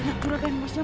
banyak curat emasnya mas